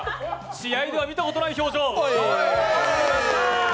試合では見たことない表情。